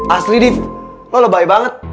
asli div wah lebay banget